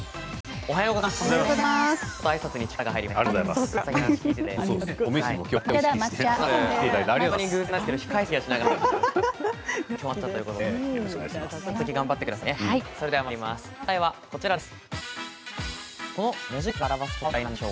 おはようございます。